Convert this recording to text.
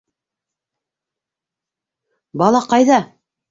Бала ҡайҙа?!